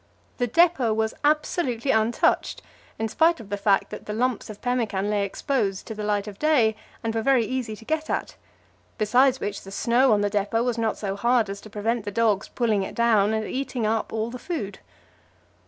The depot was absolutely untouched, in spite of the fact that the lumps of pemmican lay exposed to the light of day and were very easy to get at; besides which, the snow on the depot was not so hard as to prevent the dogs pulling it down and eating up all the food.